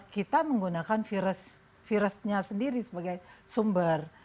kita menggunakan virus virusnya sendiri sebagai sumber